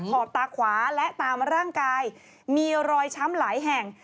ขอบตาขวาและตามร่างกายมีรอยช้ำหลายแห่ง